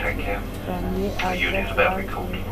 • ثانیې د ارزښت وړ دي.